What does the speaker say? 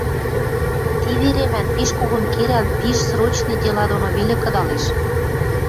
Ти веремӓн пиш когон керӓл, пиш срочный дела доно веле кыдалеш...